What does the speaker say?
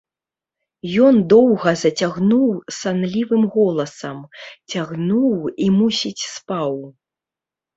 Ён доўга зацягнуў санлівым голасам, цягнуў і, мусіць, спаў.